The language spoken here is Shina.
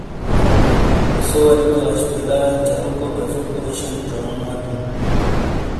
اسوواری تو اش بیلہ چالُوکو بازُوکو ایشین ژاوُوں واتُوں